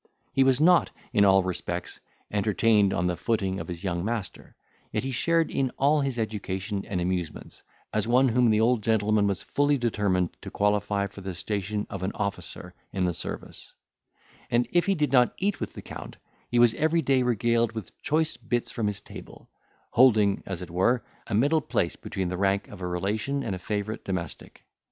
He was not, in all respects, entertained on the footing of his young master; yet he shared in all his education and amusements, as one whom the old gentleman was fully determined to qualify for the station of an officer in the service; and, if he did not eat with the Count, he was every day regaled with choice bits from his table; holding, as it were, a middle place between the rank of a relation and favourite domestic.